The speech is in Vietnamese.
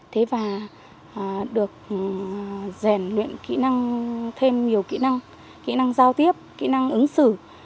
thế và được rèn luyện kỹ năng thêm nhiều kỹ năng giao tiếp kỹ năng ứng xử